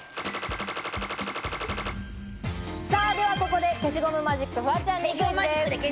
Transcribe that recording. ではここで消しゴムマジック、フワちゃんにクイズです。